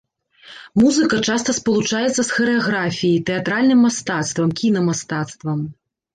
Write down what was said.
Музыка часта спалучаецца з харэаграфіяй, тэатральным мастацтвам, кіна-мастацтвам.